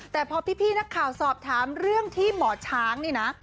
แต่พอพี่นักข่าวสอบถามเรื่องที่หมอช้างนี่นะ